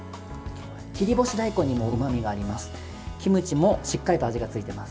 切り干し大根にもうまみがあります。